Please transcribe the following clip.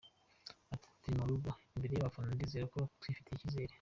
Ati: “Turi mu rugo imbere y’abafana ndizera ko twifitiye icyizere”.